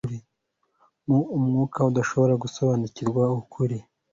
mu mwuka udushoboza gusobanukirwa ukuri